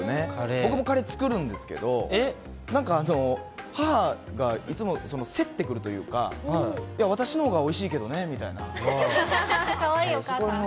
僕もカレー作るんですけど、なんか母がいつも、競ってくるというか、いや、私のほうがおいしいけどねみたいかわいいお母さん。